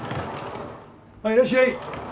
・あっいらっしゃい。